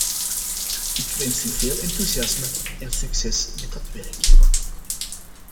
Ik wens u veel enthousiasme en succes met dat werk.